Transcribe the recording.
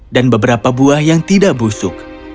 dan beberapa buah yang tidak busuk